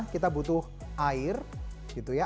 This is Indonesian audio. kita butuh air gitu ya